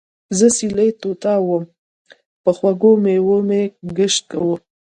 زۀ سېلي طوطا ووم پۀ خوږو مېوو مې ګشت وو